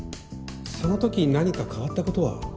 その時何か変わったことは。